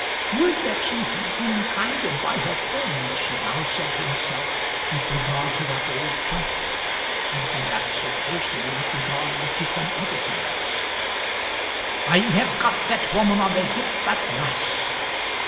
"Would that she had been guided by her friend!" she now said to herself with regard to that old trunk, and perhaps occasionally with regard to some other things. "I have got that woman on the hip at last!"